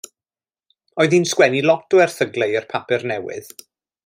Oedd hi'n sgwennu lot o erthyglau i'r papur newydd.